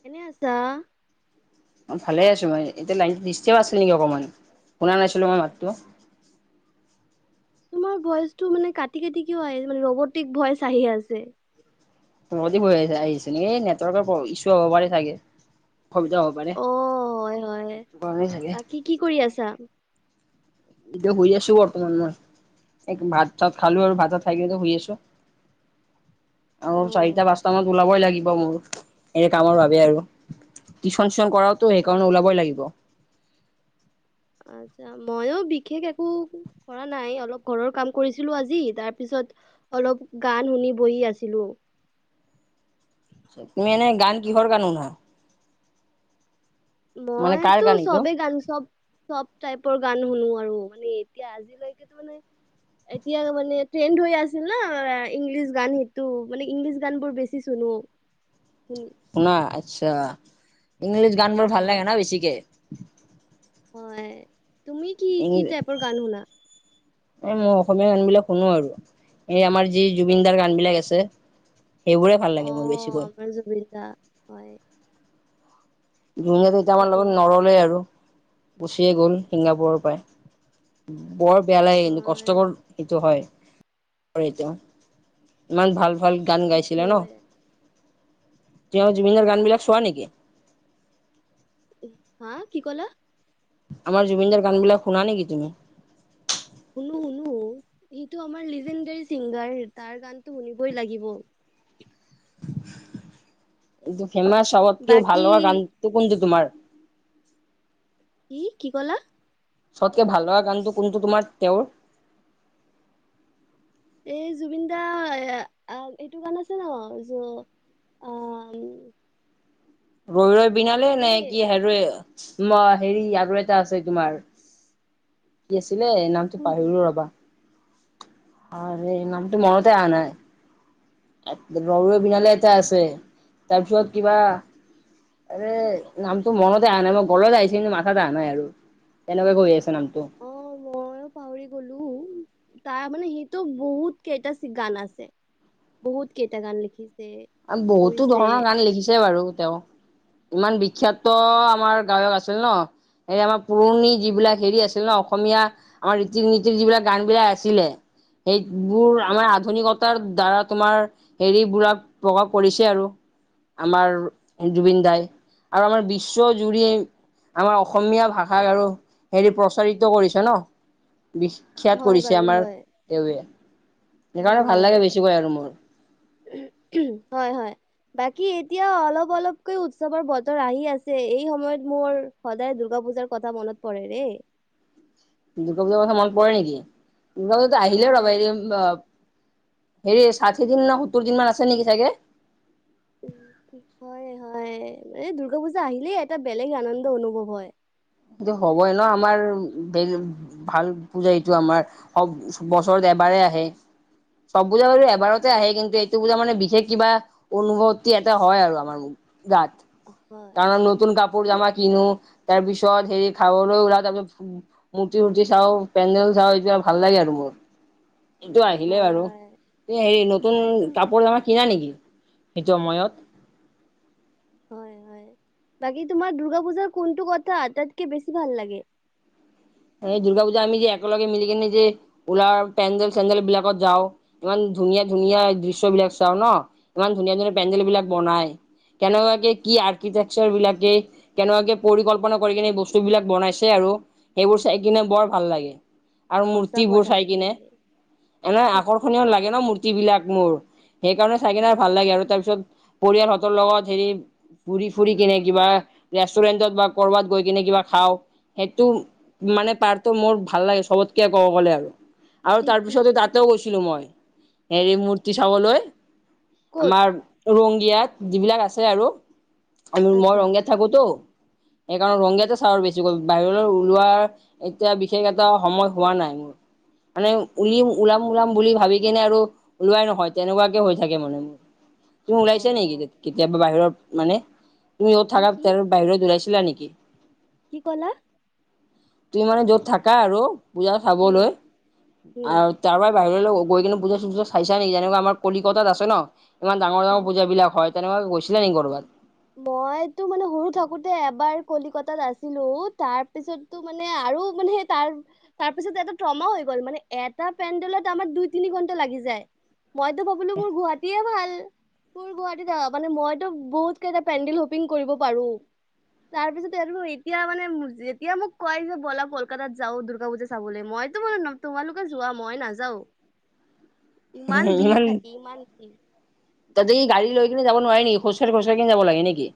কেনে আছ? অ', ভালে আছোঁ মই। এতিয়া লাইনটো ডিষ্টাৰ্ব আছিল নেকি অকণমান? শুনা নাছিলোঁ মই মাতটো। তোমাৰ ভইচটো মানে কাটি-কাটি কিয় আহে? মানে ৰবটিক ভইচ আহি আছে। ৰবটিক ভইচ আহিছে, আহিছে নি? এই নেটৱৰ্কৰ প্ৰব্, ইছ্যু হ'ব পাৰে চাগে, অসুবিধা হ'ব পাৰে, অ' হয় হয়। সেইটো কাৰণে চাগে বাকী কি কৰি আছা? এতিয়া শুই আছোঁ বৰ্তমান মই। ভাত-চাত খালোঁ আৰু ভাত খাই কেনে শুই আছোঁ। আৰু অ' চাৰিটা-পাঁচটামানত ওলাবই লাগিব মোৰ এনে কামৰ বাবে আৰু টিউশ্যন-চিউশ্যন কৰাওঁতো, আ- সেইকাৰণে ওলাবই লাগিব। আচ্ছা, মইয়ো বিশেষ একো কৰা নাই, অলপ ঘৰৰ কাম কৰিছিলোঁ আজি, তাৰ পিছত অলপ গান শুনি বহি আছিলোঁ। তুমি এনে গান, কিহৰ গান শুনা? মানে কাৰ মইতো গান এইটো চবেই গান, চব চব টাইপৰ গান শুনোঁ আৰু মানে এতিয়া আজিলৈকেতো মানে [inaudible] এতিয়া মানে, ট্ৰেণ্ড হৈ আছে না ইংলিছ গানটো, সেইটো মানে, ইংলিছ গানবোৰ বেছি শুনোঁ। হম। শুনা, আচ্ছা, ইংলিছ গানবোৰ ভাল হা লাগে ন বেছিকে? হয়, তুমি কি, কি টাইপৰ গান শুনা? এ, মই অসমীয়া গানবিলাক শুনোঁ আৰু এই আমাৰ যি জুবিনদাৰ গানবিলাক আছে সেইবোৰেই ভাল লাগে মোৰ বেছিকৈ। মানে জুবিন দা হয়। দুনীয়াত এতিয়া আমাৰ লগত ঠিকেই নৰ'লেই আৰু গুচিয়েই গ'ল ছিংগাপুৰৰ পৰাই। বৰ বেয়া লাগে, কিন্তু হয় কষ্টকৰ সেইটো হয়। পৰে এতিয়াও, ইমান ভাল-ভাল গান গাইছিলে ন? সেইটোৱে তুমিও জুবিনৰ গানবিলাক চোৱা নেকি? হা, কি ক'লা? আমাৰ জুবিনদাৰ গানবিলাক শুনা নেকি তুমি? শুনোঁ, শুনোঁ। সিটো আমাৰ লিজেণ্ডেৰী ছিংগাৰ, তাৰ গানটো শুনিবই লাগিব। কিন্তু ফেমাছ, চবতকে ভাল বাকী লগা গানটো কোনটো তোমাৰ? কি, কি ক'লা? চবতকে ভাল লগা গানটো কোনটো তোমাৰ তেওঁৰ? এই জুবিন দাৰ এইটো গান আছে ন', য আ ৰৈ ৰৈ বিনালে নে কি? হে, আৰে ৰৈ মই হেৰি, আৰু এটা আছে তোমাৰ কি আছিলে? নাম এইটো কোনটো পাহৰিলোঁ ৰবা আৰে নামটো মনতে আহা নাই। ৰৈ ৰৈ বিনালে এটা আছে, তাৰপিছত কিবা। এ নামটো মনতে আহা নাই মই গলতে আহিছে কিন্তু মাথাত আহা নাই আৰু। তেনেকুৱা কৰি আছে নামটো। অ, মইয়ো পাহৰি গ'লো। তাৰ মানে সেইটো বহুত কেইটা গান আছে বহুত কেইটা গান লিখিছে। বহুতো কৰিছে ধৰণৰ গান লিখিছে বাৰু তেওঁ। ইমান বিখ্যাত আমাৰ গায়ক আছিল ন। এই আমাৰ পুৰণি যিবিলাক হেৰি আছিল ন অসমীয়া। আমাৰ ৰীতি নীতিৰ যিবিলাক গান বিলাক আছিলে। সেইবোৰ আমাৰ আধুনিকতাৰ দ্বাৰা তোমাৰ হেৰিবোৰক। প্ৰকাশ কৰিছে আৰু। আমাৰ জুবিন দাই, আৰু আমাৰ বিশ্ব জুৰি। আমাৰ অসমীয়া ভাষাক আৰু হেৰি প্ৰচাৰিত কৰিছে ন। খ্যাত হয় কৰিছে বাৰু আমাৰ হয় এৱে হয় সেইকাৰণে ভাল হয় লাগে বেছিকৈ আৰু মোৰ। হয়, হয়। বাকী এতিয়া অলপ অলপকৈ উৎসৱৰ বতৰ আহি আছে এই সময়ত মোৰ। সদায় দুৰ্গা পূজাৰ কথা মনত পৰে ৰে। দুৰ্গা পূজাৰ কথা মন পৰে নেকি, দুৰ্গা পূজাটো আহিলে হয় ৰ'বা এৰি। হেৰি ষাঠি দিন না সত্তৰ দিন মান আছে নেকি চাগে। উম, হয় হয় মানে দুৰ্গা পূজা আহিলেই এটা বেলেগ আনন্দ অনুভৱ হয়। হ'বই ন আমাৰ। ভাল পূজা এইটো আমাৰ স'ব বছৰত এবাৰে আহে চব পূজা বাৰু। এবাৰতে হয় আহে কিন্তু এইটো পূজা মানে বিশেষ কিবা অনুভূতি এটা হয় আৰু আমাৰ গাত। হয় কাৰণ নতুন কাপোৰ তো- জামা কিনো তাৰ পিছত হেৰি খাবলৈ ওলা তাৰ পিছত। মূৰ্তি সূতি চাও পেন্দেল চাওঁ এইটো ভাল লাগে আৰু মোৰ। এইটো আহিলে হয় বাৰু হয় এই হেৰি নতুন হয় তুম কাপোৰ কিনা নেকি সেইটো সময়ত। হয় হয় বাকী তোমাৰ দুৰ্গা পূজাৰ কোনটো কথা আটাইাতকৈ বেছি ভাল লাগে। এই দুৰ্গা পূজা আমি যে একেলগে মিলি কেনে যে উলাও পেণ্ডেল চেণ্ডেল বিলাকত যাওঁ। ইমান ধুনীয়া ধুনীয়া দৃশ্যবিলাক চাও, ন ইমান ধুনীয়া ধুনীয়া অ পেণ্ডেল বিলাক বনাই। কেনে কোৱা কে আৰ্কিটেকচাৰ বিলাকে। কেনেবাকে পৰিকল্পনা কৰি কেনে বস্তু বিলাক বনাইছে আৰু। সেইবোৰ চাই কিনে বৰ ভাল লাগে। আৰু সঁচা মূৰ্তি বোৰ কথা চাই কিনে দেই এনে ঠিক ঠিক আকৰ্ষণীয় ঠিক লাগে ন মূৰ্তি। বিলাক মোৰ সেইকাৰণে চাই কিনে ভাল লাগে আৰু তাৰ পিছত পৰিয়ালহতৰ লগত হেৰি। ঘুৰি ফুৰি কিনে কিবা ৰেষ্টুৰেণ্টত বা ক'বাত গৈ কিনে কিবা খাওঁ সেইটো। মানে পাৰটো মোৰ ভাল লাগে সবতকে ক'ব গ'লে আৰু ঠিক তাৰ ঠিক পিছত ঠিক তাতেও গৈছো। গৈছিলো মই হেৰি মূৰ্তি চাবলৈ ক'ত আমাৰ। ৰংগিয়াত যিবিলাক আছে আৰু মই আচ্ছা ৰঙগিয়াত। থাকোতো সেইকাৰণ ৰঙীয়াতে চাহৰ বেছি গ'ল বাহিৰলৈ ওলোৱা। এতিয়া বিশেষ এটা সময় হোৱা নাই মোৰ মানে উলি অ ওলাম ওলাম বুলি ভাবি। কিনে আৰু ওলোৱাই নহয় তেনেকুৱাকে হৈ থাকে মানে মোৰ তুমি হয় ওলাইছা নেকি। হয় কেতিয়াবা বাহিৰত মানে তুমি ইয়াত কি থাকা কি বাহিৰত ওলাইছিলা নেকি। কি ক'লা? তুমি মানে য'ত থাকা আৰু পূজা উম চাবলৈ উম আহ, তাৰ পৰাই বাহিৰলৈ গৈ কিনে বুজা চুজা চাইছা নেকি যেনেকুৱা আমাৰ কলিকতাত আছে ন। ইমান ডাঙৰ অ, ডাঙৰ পূজািলাক হয় তেনেকুৱা গৈছিলা নেকি ক'ৰবাত। মইতো মানে সৰু থাকোতে এবাৰ কলিকতাত আছিলো তাৰ পিছত। তটো মানে আৰু মানে তাৰ। তাৰপিছত এইটো ট্ৰমা হৈ গল মানে এটা পেণ্ডেলত আমাৰ দুই তিনি ঘণ্টা লাগি যায়। মইতো ভাবিলো মোৰ গুৱাহাটীৱে ভাল মোৰ গুৱাহাটীত মানে মইতো বহুত কেইটা পেণ্ডেল হপিং কৰিব পাৰো। তাৰ পিছত আৰু এতিয়া মানে যেতিয়া মোক কৈ দিছে ব'লা কলকাতাত যাও দুৰ্গা পূজা চাবলে মইতো বাৰু তোমালোকে যোৱা মই নাযাও ইমান ভিৰ থাকে ইমান ভিৰ। [unintelligible] তাতে কি গাড়ী লৈ কিনে যাব নোৱাৰি নেকি খোজ কাঢ়ি খোজ কাঢ়ি যাব লাগে নেকি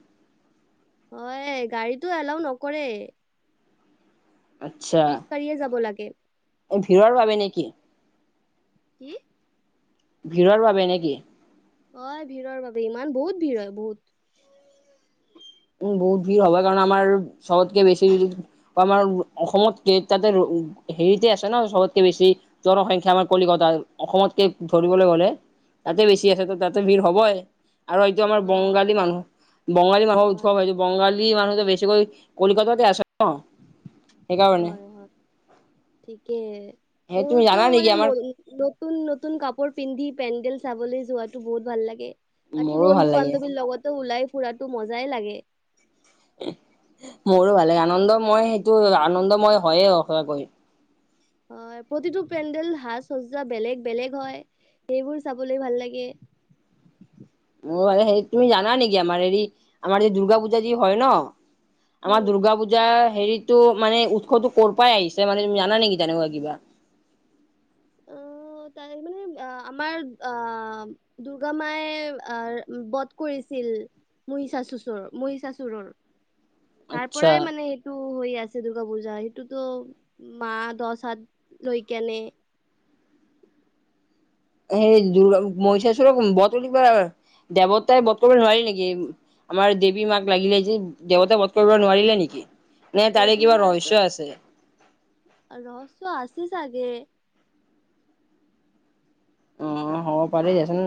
অ এ গাড়ীটো এলাউ নকৰে আচ্ছা, খোজকাঢ়িয়ে যাব লাগে। ভিৰৰ বাবে নে কি? কি? ভিৰৰ বাবে নে কি? অ এ ভিৰৰ বাবে ইমান বহুত ভিৰ হয় বহুত উম বহুত ভিৰ হ'ব কাৰণ আমাৰ চবতকে বেছি আমাৰ অসমতকে তাতে হেৰিতে আছে ন চবতকে বেছি জনসংখ্যা আমাৰ কলিকতাৰ অসমতকে ধৰিবলৈ গলে তাতে বেছি আছে ত' তাতে ভিৰ হবই, আৰু এইটো আমাৰ অ বংগালী মানুহ বঙালী মানুহৰ উৎ হয় বংঙালী মানুহ বেছিকৈ কলকাতাতে আছে ন সেইকাৰণে হয়, হয় ঠিকে সেই তুমি মোৰতো জানা নেকি মানে আমাৰ ম নতুন নতুন কাপোৰ পিন্ধি পেণ্ডেল চাবলৈ যোৱাটো বহুত ভাল লাগে বাকী মোৰো ভাল লাগে বন্ধু-বান্ধৱীৰ লগতো ওলাই ফুৰাতটো মজাই লাগে। মোৰো ভাল লাগে আনন্দ মই সেইটো আনন্দ মই হয়য়ে সচাকৈ হয়, প্ৰতিটো পেণ্ডেল সাজ-সজ্জা বেলেগ বেলেগ হয়, সেইবোৰ চাবলৈ ভাল লাগে। অ সেই তুমি জানা নেকি আমাৰ হেৰি আমাৰ যে দুূৰ্গা পূজা যে হয় ন আমাৰ উম। দুৰ্গা পূজা পূজা হেৰিতো মানে উৎসৱতটো ক'ৰ পৰাই আহিছে মানে তুমি জানা নেকি তেনেকুৱা কিবা? অ তাৰ মানে আমাৰ আ দুৰ্গা মায়ে বধ কৰিছিল মহিচাচুচৰ মহিষাসুৰৰ তাৰ আচ্ছা পৰাই মানে টো হৈ আছে দূৰ্গা পূজা সেইটোতো মা দহ হাত লৈ কেনে সেই দুৰ মহিষাসুৰক বতিব দেৱতাই বধ কৰিব নোৱাৰে নেকি? আমাৰ দেৱী মাক লাগিলে যে দেৱতাই বধ কৰিব নোৱাৰিলে নেকি? নে তাৰে দেৱী কিবা মাত ৰহস্য আছে? ৰহস্য আছে চাগে অ হ'ব পাৰেই দিয়াচোন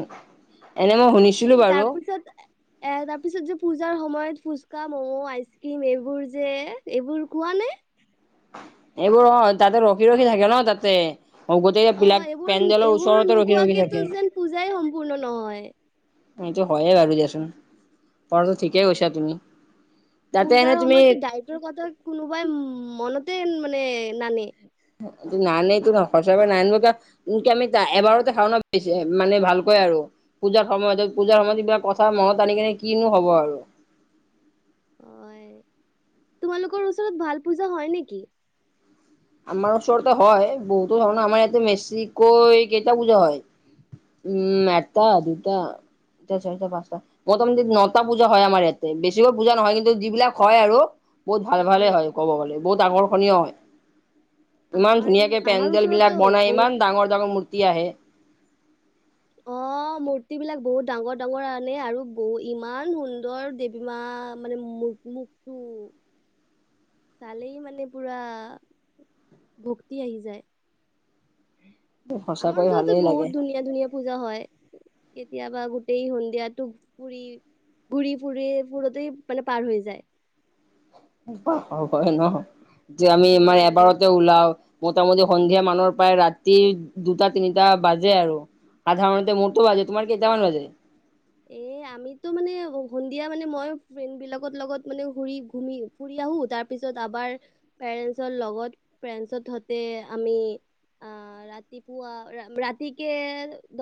এনে মই শুনিছো এই তাৰপিছত এ তাৰ পিছত যে পূজাৰ সময়ত ফুচকা, ম'ম, আইচ ক্ৰীম এইবোৰ যে এইবোৰ খোৱা নে? এইবোৰ অ তাতে ৰখি, ৰখি থাকে ন তাতে। অ গোতেই অ' বিলাক এইবোৰ পেণ্ডেলৰ এইবোৰ ওচৰতে ৰখি, ৰখি নোখোৱাকেতো থাকে। যেন পূজাই সম্পূৰ্ণ নহয়। এইটো হয়য়ে বাৰু দিয়াচোন কোৱাটো ঠিকেই কৈছা অ, তুমি তাতে পূজাৰ এনে তুমি সময়তো ডাইটৰ কথা কোনোবাই মনতে মানে নানে নানেই তো সচাকে নাননিব কিয়? এনকে আমি এবাৰতে খাও ন বে মানে ভালকৈ আৰু পূজাৰ সময়ত, পূজাৰ সময়ত কিবা কথা মনত আনি কিনে কিনো হব আৰু। হয়, তোমালোকৰ ওচৰত ভাল পূজা হয় নেকি? আমাৰ ওচৰততে হয় বহুতো ধৰণে আমাৰ ইয়াতে বেছিকৈ এই কেইটা পূজা হয়। উম, এটা, দুটা, তিনিটা, চাৰিটা, পাঁচটা। মোটামুটি নটা পূজা হয় আমাৰ ইয়াতে, বেছিকৈ পূজা নহয়, কিন্তু যিবিলাক হয় আৰু। বহুত ভাল ভালে উম, হয় ক'ব গ'লে, বহুত আকৰ্ষণীয় হয়। ইমান আমাৰ ই ধুনীয়াকে আমাৰ ওচৰতো পেণ্ডেলবিলাক বনাই বহুত ইমান ডাঙৰ ডাঙৰ মূৰ্তি আহে অ', মূৰ্তি বিলাক বহুত ডাঙৰ-ডাঙৰ আনে আৰু বহু ইমান সুন্দৰ দে কিমান মানে মু-মুখটো। [inaudible] চালেই মানে পুৰা ভক্তি আহি যায়। আমাৰ সঁচাকৈ ওচৰতে ভালেই লাগে বহুত ধুনীয়া, ধুনীয়া পূজা হয়। কেতিয়াবা গোটেই সন্ধিয়াাতোক ফুৰি। ঘূৰি-ফুৰি ফুৰতেই মানে পাৰ হৈ যায়। হয় ন যে আমি ইমান অ' এবাৰতে। ওলাও মোটামুটি সন্ধিয়া মানৰ পৰায়ে ৰাতি দুটা, তিনিটা বাজে আৰু। সাধাৰণতে মোৰটো বাজে তোমাৰ কেইটামান বাজে? এ, আমিতো মানে সন্ধিয়া মানে মই ফ্ৰেণ্ড বিলাকৰ লগত মানে ঘূৰি ঘুমি। ফুৰি আহোঁ তাৰ পিছত আবাৰ পেৰেণ্টছৰ লগত পেৰেণ্টছতহতে আমি। আহ [inaudible] ৰাতিপুৱা ৰাতিক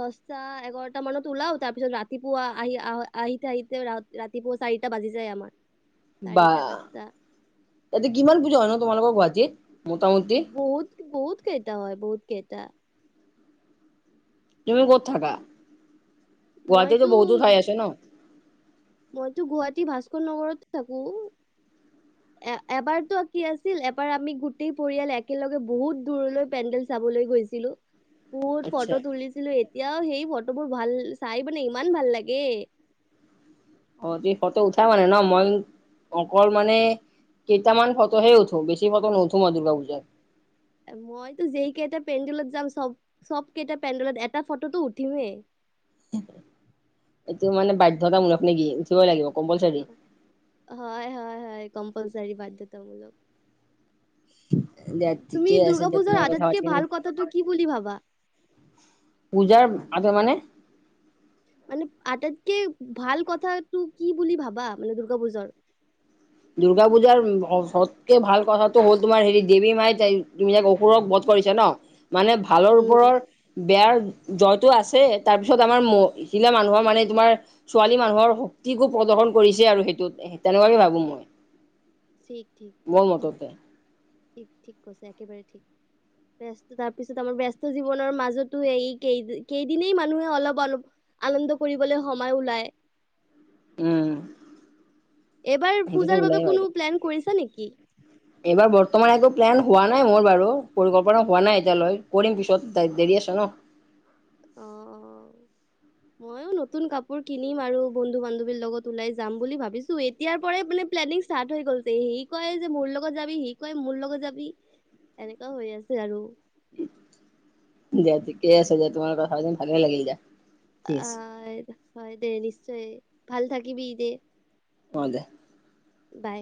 দশটা, এঘাৰটা মানত ওলাও তাৰপিছত ৰা ৰাতি পুৱা আহি আহ-আহিতি আহিতে ৰা- ৰাতি পুৱা চাৰিটা বাজি যায় আমাৰ। বা চাৰিটা পাঁচটা তাতে কিমান পূজা হয় ন তোমালোকৰ গুৱাহাটীত। মোটামুটি বহুত, বহুত কেইটা হয়, বহুত কেইটা। তুমি ক'ত থাকা গুৱাহাটীতো মইতো বহুতো ঠাই আছে ন? মইতো গুৱাহাটী ভাস্কৰ নগতে থাকোঁ। এ, এবাৰতো কি আছিল, এবাৰ আমি গোটেই পৰিয়াল একেলগে বহুত দূৰলৈ পেণ্ডেল চাবলৈ গৈছিলোঁ। [inaudible] বহুত আচ্ছা ফটো তুলিছিলোঁ, এতিয়াও সেই ফটোবোৰ ভাল চাই মাননে ইমান ভাল লাগে। অ', তুমি ফটো উঠা মানে ন মই অকল মানে। কেইটামান ফটোহে উঠো বেছি ফটো নুঠো ম দুৰ্গা পূজাত। মইতো যেই কেইটা পেণ্ডলত যাম চব, চব কেইটা পেণ্ডলত এটা ফটোতটো উঠিমেই। এইটো মানে বাধ্যতামূলক নেকি উঠিবই লাগিব কম্পালচাৰী। হয়, হয়, হয় কম্পালচাৰী বাধ্যতামূলক। [inaudible] তুমি আছে দৰ্গা দিয়া পুজাৰ তোমাৰ কথা পাতি আটাইতকে ভাল কথাটো কি বুলি ভাবা? পূজাৰ আ মানে? মানে আটাইতকে ভাল কথাাতটো কি বুলি ভাবা মানে দুৰ্গা পুজাৰ? দুৰ্গা পূজাৰ সবকে ভাল কথাটো হ'ল তোমাৰ হেৰি দেৱী মাই ত তুমি যাক অসুৰক বধ কৰিছে ন। মানে ভালৰ উম ওপৰৰ। বেয়া জয়তো আছে, তাৰপিছত আমাৰ মহিলা মানুহৰ মানে তোমাৰ ছোৱালী মানুহৰ শক্তিকো প্ৰদৰ্শন কৰিছে, আৰু সেইটোত তেনেকুৱাকে ভাবো মই। ঠিক, ঠিক, ঠিক, মোৰ ঠিক, মততে ঠিক, ঠিক, কৈছে, একেবাৰে ঠিক। তাৰপিছত আমাৰ ব্যস্ত জীৱনৰ মাজতো এই কেই-কেইদিনেই মানুহে অলপ, অলপ। আনন্দ কৰিবলৈ সময় ওলায়। উম। এইবাৰ সেইটোতো পূজাৰ বাবে ওলাই বাহিৰে কোনো প্লেন কৰিছা নেকি? এইবাৰ বৰ্তমান একো প্লেন হোৱা নাই মোৰ বাৰু পৰিকল্পনা হোৱা নাই এতিয়ালৈ কৰিম পিছত দেৰি আছ ন। অ', অ'। [inaudible] ময়ো নতুন কাপোৰ কিনিম আৰু বন্ধু বান্ধৱীৰ লগত ওলাই যাম বুলি ভাবিছো। এই এতিয়াৰ পৰাই মানে প্লেনিং ষ্টাৰ্ট হৈ গ'লছে সি কয় যে মোৰ লগত যাবি, সি কয় মোৰ লগত যাবি। এনেকাও হৈ আছে আৰু। দিয়া ঠিকে আছে দিয়া, তোমাৰ কথা যেন ভালে লাগিল দিয়া। ঠিক আছে অ', হয় দে নিশ্চয় ভাল থাকিবি দে। অ', দে। বাই।